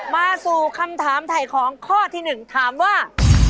มาสู่คำถามถ่ายของข้อที่๑ถามว่า